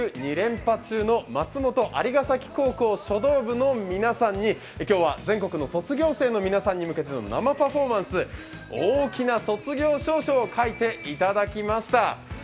２連覇中の松本蟻ヶ崎高校書道部の皆さんに今日は全国の卒業生の皆さんに向けての生パフォーマンス、大きな卒業証書を書いていただきました。